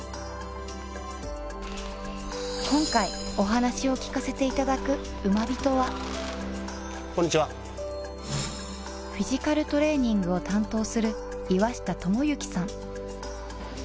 今回お話を聞かせていただくウマビトはこんにちはフィジカルトレーニングを担当する岩下智之さん